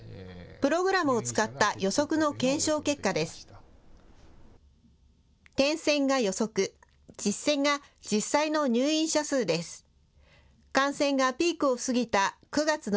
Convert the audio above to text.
プログラムを使った予測の検証結果です。